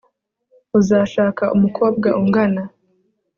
uzashaka umukobwa ungana